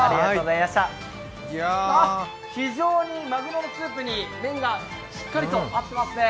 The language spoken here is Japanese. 非常にまぐろのスープに麺がしっかりと合っていますね！